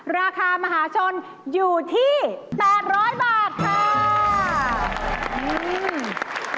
ราคามหาชนอยู่ที่๘๐๐บาทค่ะ